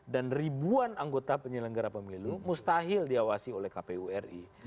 dan ribuan anggota penyelenggara pemilu mustahil diawasi oleh kpu ri